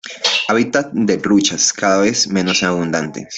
Hábitat de truchas, cada vez menos abundantes.